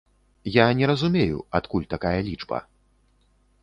Я не разумею, адкуль такая лічба.